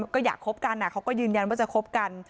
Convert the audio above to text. ก็อยากคบกันเขาก็ยืนยันว่าจะคบกัน